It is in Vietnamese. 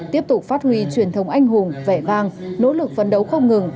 tiếp tục phát huy truyền thống anh hùng vẻ vang nỗ lực phấn đấu không ngừng